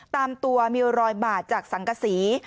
ตามตัวมีรอยบาดจากสังกษี